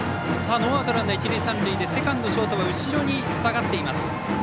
ノーアウトランナー、一塁三塁でセカンド、ショートが後ろに下がっています。